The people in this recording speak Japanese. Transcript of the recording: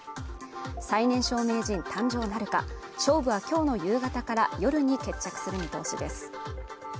最年少名人誕生なるか、勝負は今日の夕方から夜に決着する見通しです。